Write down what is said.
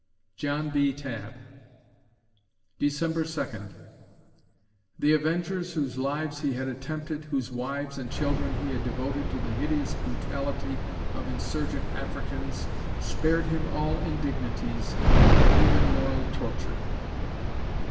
JOHN B. TABB December Second The avengers whose lives he had attempted, whose wives and children he had devoted to the hideous brutality of insurgent Africans, spared him all indignities, even moral torture.